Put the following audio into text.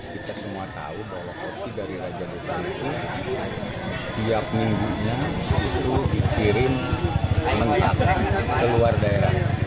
kita semua tahu bahwa kopi dari raja desa itu setiap minggu itu dikirim mentak ke luar daerah